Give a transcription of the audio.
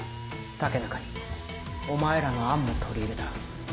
竹中にお前らの案も取り入れた。